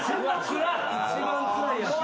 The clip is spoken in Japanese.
一番つらいやつや。